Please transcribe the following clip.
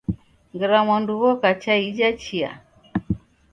Ngera mwandu ghoka cha ija chia.